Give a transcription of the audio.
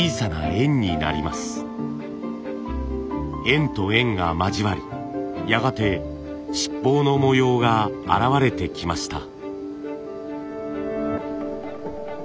円と円が交わりやがて七宝の模様が現われてきました。